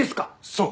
そう！